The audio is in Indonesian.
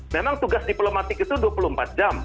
memang tugas diplomatik itu dua puluh empat jam